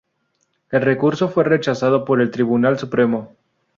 El recurso fue rechazado por el Tribunal Supremo.